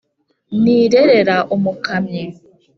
nrirera umukamyi